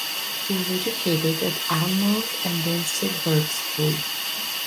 He was educated at Alnmouth and then Sedbergh School.